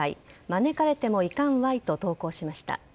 招かれても行かんわい！と投稿しました。